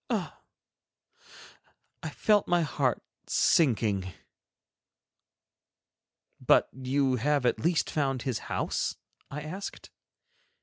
Ah! I felt my heart sinking. "But you have at least found his house?" I asked.